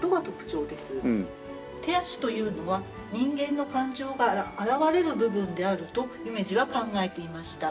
手足というのは人間の感情が表れる部分であると夢二は考えていました。